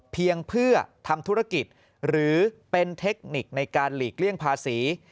เพียงเพื่อทำธุรกิจหรือเป็นเทคนิคในการหลีกเลี่ยงภาษี